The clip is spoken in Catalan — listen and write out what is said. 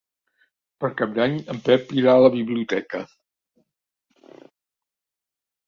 Per Cap d'Any en Pep irà a la biblioteca.